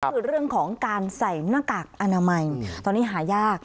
ก็คือเรื่องของการใส่หน้ากากอนามัยตอนนี้หายาก